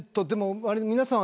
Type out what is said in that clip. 皆さん